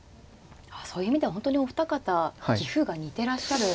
そういう意味では本当にお二方棋風が似てらっしゃるんですね。